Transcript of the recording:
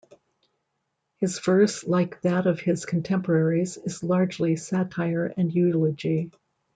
His verse, like that of his contemporaries, is largely satire and eulogy.